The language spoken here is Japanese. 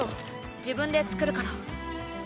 自分で作るから。